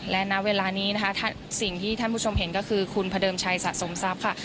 และณเวลานี้นะคะสิ่งที่ท่านผู้ชมเห็นก็คือคุณพระเดิมชัยสะสมทรัพย์ค่ะ